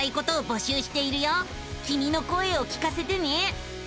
きみの声を聞かせてね。